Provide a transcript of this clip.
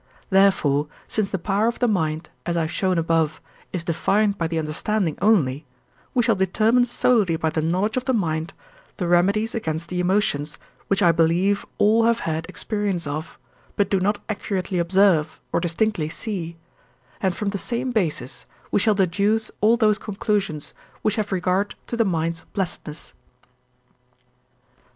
Therefore, since the power of the mind, as I have shown above, is defined by the understanding only, we shall determine solely by the knowledge of the mind the remedies against the emotions, which I believe all have had experience of, but do not accurately observe or distinctly see, and from the same basis we shall deduce all those conclusions, which have regard to the mind's blessedness.